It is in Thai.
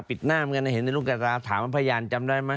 ปิดหน้ามันก็เห็นลูกกระตาถามว่าพยานจำได้ไหม